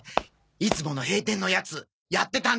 いつもの閉店のやつやってたんでしょ？